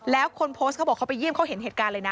แล้วคนโพสต์เขาบอกเขาไปเยี่ยมเขาเห็นเหตุการณ์เลยนะ